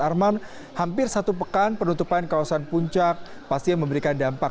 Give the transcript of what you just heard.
arman hampir satu pekan penutupan kawasan puncak pastinya memberikan dampak